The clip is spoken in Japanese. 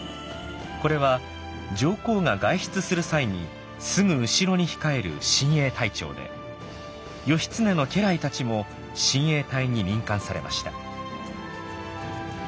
これは上皇が外出する際にすぐ後ろに控える親衛隊長で義経の家来たちも親衛隊に任官されました。